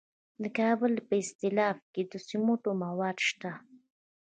د کابل په استالف کې د سمنټو مواد شته.